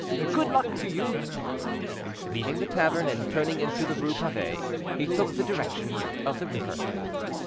"Good luck to you!" Leaving the tavern and turning into the rue Pavee, he took the direction of the river.